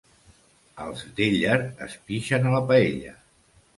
Els d'Éller es pixen a la paella.